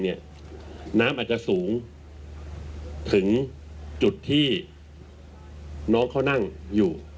น้ำอาจจะสูงถึงจุดที่น้องเขานั่งอยู่